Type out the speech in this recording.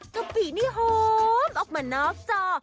กะปินี่หอมออกมานอกจอ